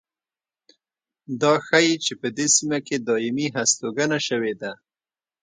دا ښيي چې په دې سیمه کې دایمي هستوګنه شوې ده